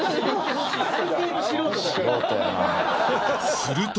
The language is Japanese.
すると